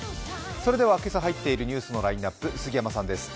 それでは今朝入っているニュースのラインナップ、杉山さん